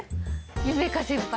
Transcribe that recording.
夢叶先輩！